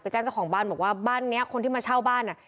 แจ้งเจ้าของบ้านบอกว่าบ้านเนี้ยคนที่มาเช่าบ้านอ่ะ